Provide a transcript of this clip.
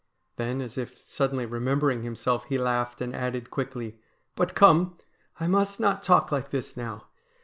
' Then, as if suddenly remembering himself, he laughed and added quickly :' But come, I must not talk like this now.